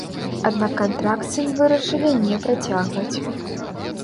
Аднак кантракт з ім вырашылі не працягваць.